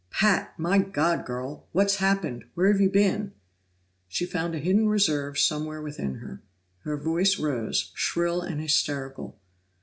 "Pat! My God, girl! What's happened? Where've you been?" She found a hidden reserve somewhere within her. Her voice rose, shrill and hysterical.